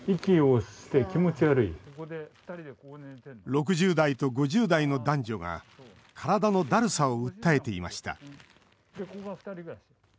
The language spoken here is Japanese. ６０代と５０代の男女が体のだるさを訴えていました